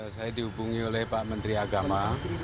saya dihubungi oleh pak menteri agama